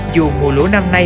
dù mùa lũ năm nay